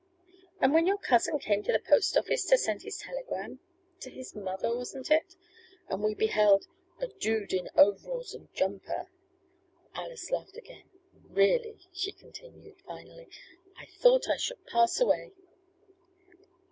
"And when your cousin came into the post office to send his telegram to his mother, wasn't it? And we beheld a dude in overalls and jumper!" and Alice laughed again. "Really," she continued, finally, "I thought I should pass away!"